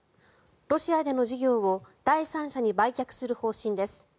ロシアでの事業を第三者に売却する方針です。